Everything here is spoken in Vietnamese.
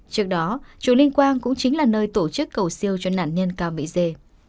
trước đó chùa linh quang cũng chính là nơi tổ chức cầu siêu cho nạn nhân cao mỹ dê